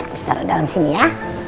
disaruh dalam sini ya